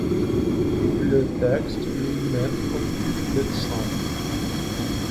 Le texte lui-même occupe le centre.